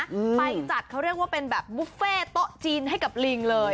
ไปจัดเขาเรียกว่าเป็นแบบบุฟเฟ่โต๊ะจีนให้กับลิงเลย